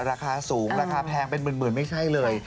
ราคาสูงราคาแพงเป็นหมื่นไม่ใช่เลย